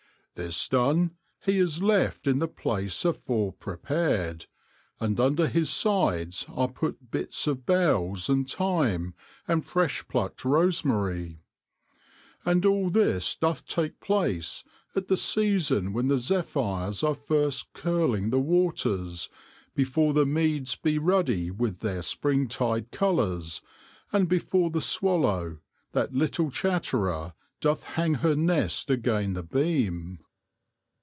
This done, he is left in the place afore prepared, and under his sides are put bitts of boughes, and thyme, and fresh plucked rosemarie. And all this doethe take place at the season when the zephyrs are first curling the waters, before the meades bee ruddy with their spring tide colours, and before the swallow, that leetle chatterer, doethe hang her nest again the beam.